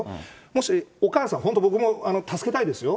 もし、お母さん、本当僕も助けたいですよ。